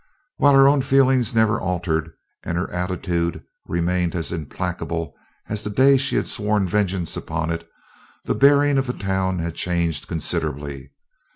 While her own feeling never altered and her attitude remained as implacable as the day she had sworn vengeance upon it, the bearing of the town had changed considerably.